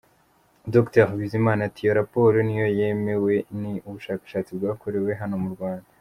Dr Bizimana ati “ Iyo raporo niyo yemewe, ni ubushakashatsi bwakorewe hano mu Rwanda.